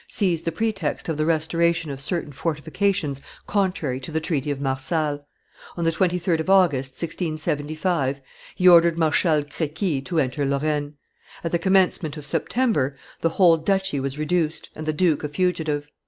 seized the pretext of the restoration of certain fortifications contrary to the treaty of Marsal; on the 23d of August, 1675, he ordered Marshal Crequi to enter Lorraine; at the commencement of September, the whole duchy was reduced, and the duke a fugitive.